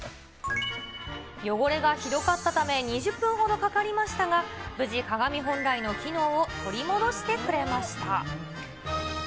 汚れがひどかったため、２０分ほどかかりましたが、無事、鏡本来の機能を取り戻してくれました。